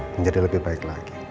menjadi lebih baik lagi